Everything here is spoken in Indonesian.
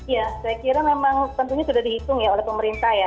ya saya kira memang tentunya sudah dihitung ya oleh pemerintah ya